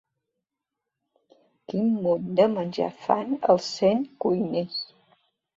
Quin munt de menjar fan al Centcuines?